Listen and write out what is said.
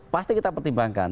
pasti kita pertimbangkan